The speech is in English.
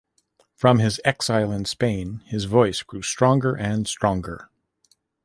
From his exile in Spain, his voice grew stronger and stronger.